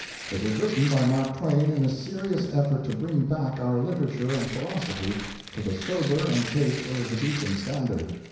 It was written by Mark Twain in a serious effort to bring back our literature and philosophy to the sober and chaste Elizabethan standard.